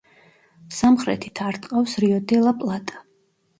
სამხრეთით არტყავს რიო-დე-ლა-პლატა.